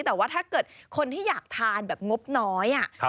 แต่ว่าถ้าเกิดคนที่อยากทานแบบงบน้อย